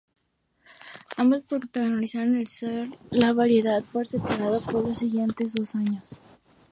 Ambos protagonizaron shows de variedades por separado en los siguientes dos años.